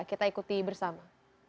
kita ikuti bersama